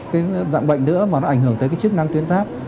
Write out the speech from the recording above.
cái dạng bệnh nữa mà nó ảnh hưởng tới cái chức năng tuyến giáp